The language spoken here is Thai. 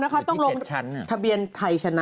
ต้องลงทะเบียนไทยชนะ